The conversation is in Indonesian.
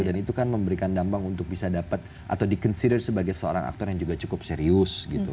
dan itu kan memberikan dampak untuk bisa dapat atau di consider sebagai seorang aktor yang juga cukup serius gitu